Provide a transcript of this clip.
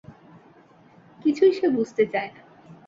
কিছুই সে বুঝতে চায় না।